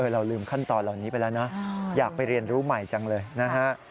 เราลืมขั้นตอนเหล่านี้ไปแล้วนะอยากไปเรียนรู้ใหม่จังเลยนะฮะ